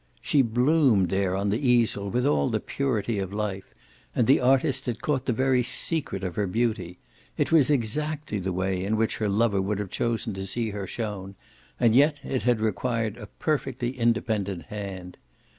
She bloomed there on the easel with all the purity of life, and the artist had caught the very secret of her beauty. It was exactly the way in which her lover would have chosen to see her shown, and yet it had required a perfectly independent hand.